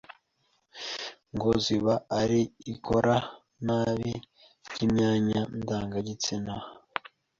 ngo ziba ari ikora nabi ry’imyanya ndangagitsina